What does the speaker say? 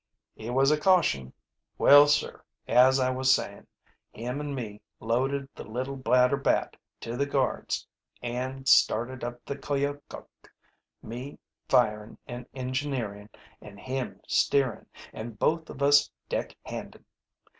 He was a caution. Well, sir, as I was sayin', him an' me loaded the little Blatterbat to the guards an' started up the Koyokuk, me firin' an' engineerin' an' him steerin', an' both of us deck handin'.